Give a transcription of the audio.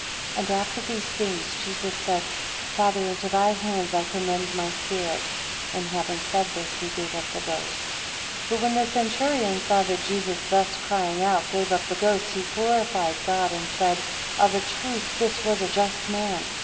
4 And after these things, Jesus said, Father, into thy hands I commend my spirit; and having said this, he gave up the ghost. 5 But when the centurion saw that Jesus thus crying out gave up the ghost, he glorified God, and said, Of a truth this was a just man.